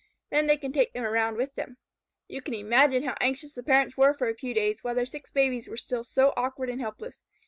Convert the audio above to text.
Then they can take them around with them." You can imagine how anxious the parents were for a few days, while their six babies were still so awkward and helpless.